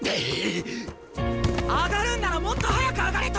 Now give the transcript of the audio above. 上がるんならもっと早く上がれ冨樫！